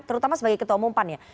terutama sebagai ketua umum pan ya